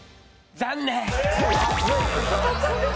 残念。